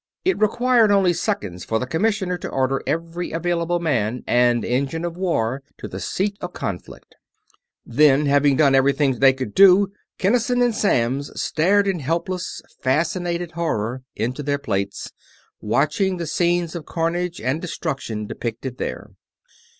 It required only seconds for the commissioner to order every available man and engine of war to the seat of conflict; then, having done everything they could do, Kinnison and Samms stared in helpless, fascinated horror into their plates, watching the scenes of carnage and destruction depicted there.